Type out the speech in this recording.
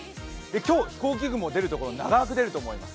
今日、飛行機雲が出るところ長く出ると思います。